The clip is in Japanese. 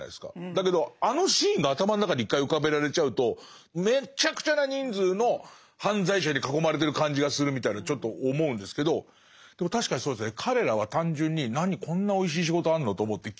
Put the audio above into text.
だけどあのシーンが頭の中に一回浮かべられちゃうとめちゃくちゃな人数の犯罪者に囲まれてる感じがするみたいなのちょっと思うんですけどでも確かにそうですね。